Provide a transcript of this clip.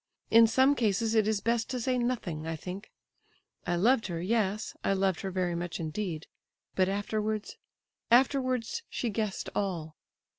In some cases it is best to say nothing, I think. I loved her, yes, I loved her very much indeed; but afterwards—afterwards she guessed all."